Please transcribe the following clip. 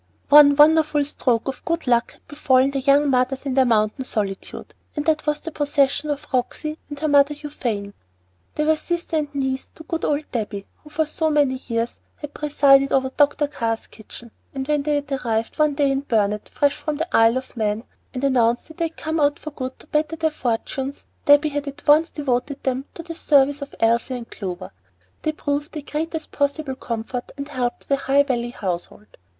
One wonderful stroke of good luck had befallen the young mothers in their mountain solitude, and that was the possession of Roxy and her mother Euphane. They were sister and niece to good old Debby, who for so many years had presided over Dr. Carr's kitchen; and when they arrived one day in Burnet fresh from the Isle of Man, and announced that they had come out for good to better their fortunes, Debby had at once devoted them to the service of Clover and Elsie. They proved the greatest possible comfort and help to the High Valley household.